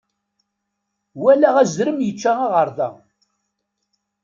Walaɣ azrem yečča aɣerda.